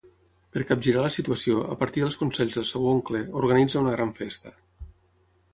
Per capgirar la situació, a partir dels consells del seu oncle, organitza una gran festa.